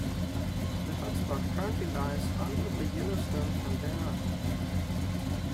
The hotspot currently lies under the Yellowstone Caldera.